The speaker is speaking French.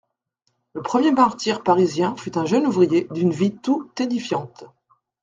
Le premier martyr parisien fut un jeune ouvrier d'une vie tout édifiante.